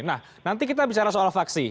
nah nanti kita bicara soal vaksin